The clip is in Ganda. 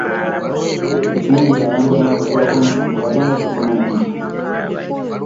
Okimanyi nti abantu abaakusibako omusango bagenda kuvunanibwa.